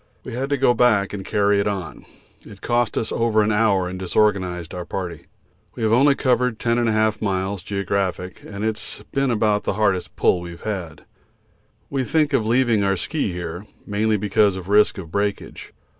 We had to go back and carry it on. It cost us over an hour and disorganised our party. We have only covered 10 1/2 miles (geo.) and it's been about the hardest pull we've had. We think of leaving our ski here, mainly because of risk of breakage.